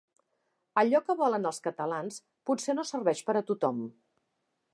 Allò que volen els catalans potser no serveix per a tothom.